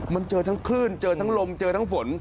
มันเจอทั้งคลื่นเจอทั้งลมเจอทั้งฝน